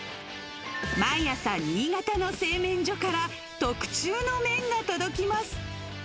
毎朝、新潟の製麺所から特注の麺が届きます。